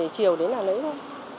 chiều đến là lấy thôi